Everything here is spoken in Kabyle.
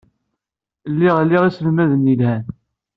Lliɣ liɣ iselmaden yelhan.